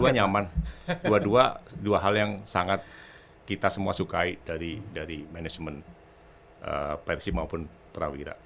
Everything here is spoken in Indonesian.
dua nyaman dua dua hal yang sangat kita semua sukai dari manajemen persib maupun prawira